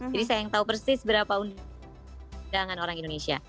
jadi saya yang tahu persis berapa undangan orang indonesia